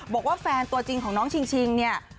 บอกว่าแฟนตัวจริงของน้องชิงเนี่ย